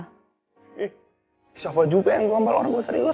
siapa juga yang gombal orang gue serius